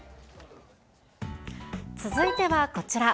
続いてはこちら。